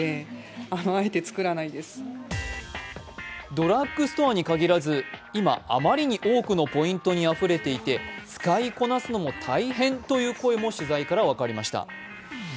ドラッグストアに限らず今、あまりに多くのポイントにあふれていて使いこなすのも大変という声も取材から分かりました。